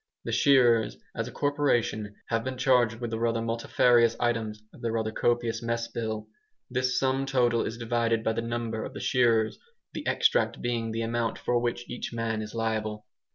The shearers, as a corporation, have been charged with the multifarious items of their rather copious mess bill. This sum total is divided by the number of the shearers, the extract being the amount for which each man is liable.